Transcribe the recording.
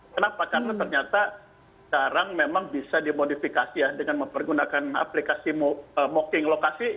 kenapa karena ternyata sekarang memang bisa dimodifikasi ya dengan mempergunakan aplikasi mocking lokasi